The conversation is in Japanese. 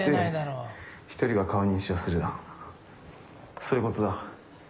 そういうことだ。